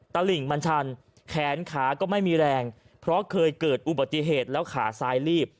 ตลิ่งมันชันแขนขาก็ไม่มีแรงเพราะเคยเกิดอุบัติเหตุแล้วขาซ้ายรีบ